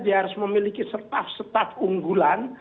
dia harus memiliki setaf setaf unggulan